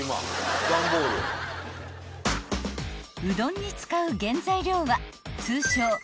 ［うどんに使う原材料は通称］